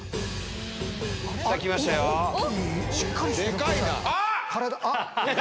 でかいな！